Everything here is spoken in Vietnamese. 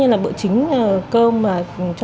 hiện đang nuôi hai con nhỏ